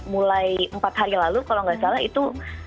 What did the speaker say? mulai empat hari lalu kalau nggak salah itu